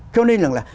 cho nên là